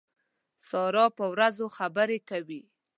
سارا په وروځو خبرې کوي.